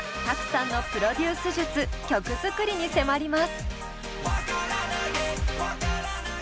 Ｔａｋｕさんのプロデュース術曲作りに迫ります。